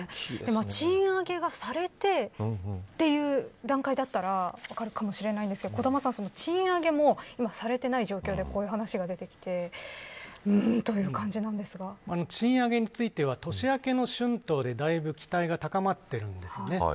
賃上げがされてという段階だったら分かるかもしれないんですが賃上げもされていない状況でこういう話が出てきて賃上げについては年明けの春闘でだいぶ期待が高まっているんですね。